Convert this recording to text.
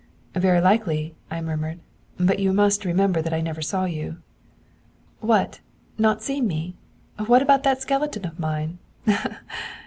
'Very likely,' I murmured. 'But you must remember that I never saw you.' 'What! Not seen me? What about that skeleton of mine?